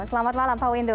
selamat malam pak windu